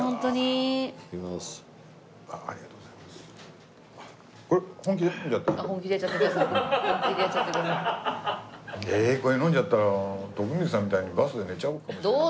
ええこれ飲んじゃったら徳光さんみたいにバスで寝ちゃうかもしれない。